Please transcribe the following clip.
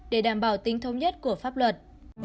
để đảm bảo tính thống nhất của pháp luật